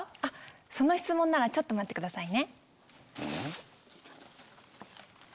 その質問ならちょっと待ってくださいね。